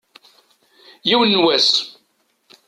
Yiwen n wass.